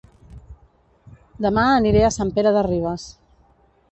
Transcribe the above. Dema aniré a Sant Pere de Ribes